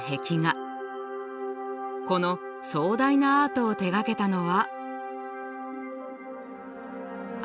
この壮大なアートを手がけたのは。